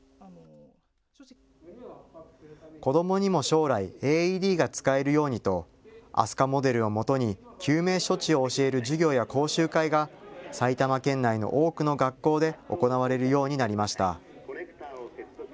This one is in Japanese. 子どもにも将来、ＡＥＤが使えるようにとＡＳＵＫＡモデルをもとに救命処置を教える授業や講習会が埼玉県内の多くの学校で行われるようになりました。